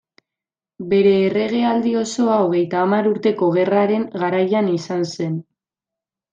Bere erregealdi osoa Hogeita Hamar Urteko Gerraren garaian izan zen.